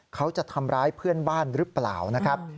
เขาจะทำร้ายเพื่อนบ้านหรือเปล่านะครับ